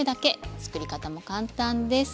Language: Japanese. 作り方も簡単です。